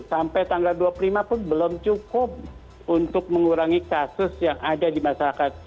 sampai tanggal dua puluh lima pun belum cukup untuk mengurangi kasus yang ada di masyarakat